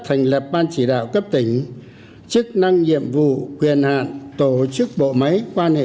thành lập ban chỉ đạo cấp tỉnh chức năng nhiệm vụ quyền hạn tổ chức bộ máy quan hệ